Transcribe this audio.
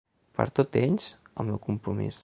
Per tots ells, el meu compromís.